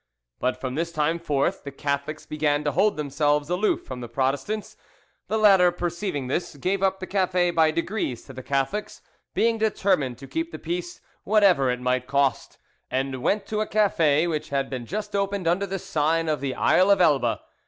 But from this time forth the Catholics began to hold themselves aloof from the Protestants; the latter perceiving this, gave up the cafe by degrees to the Catholics, being determined to keep the peace whatever it might cost, and went to a cafe which had been just opened under the sign of the "Isle of Elba."